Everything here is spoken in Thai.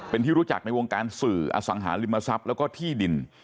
เป็นที่รู้จักในวงการสื่ออสังหาริมทรัพย์แล้วก็ที่ดิน